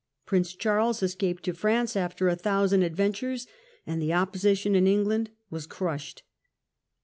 Prince Charles escaped to France after a thousand adventures, and the opposition in England was crushed.